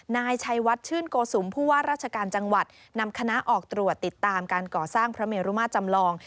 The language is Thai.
นายชัยวัดชื่นโกสุมผู้ว่าราชการจังหวัดนำคณะออกตรวจติดตามการก่อสร้างพระเมรุมาจำลอง